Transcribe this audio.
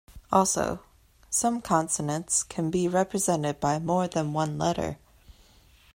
Also, some consonants can be represented by more than one letter.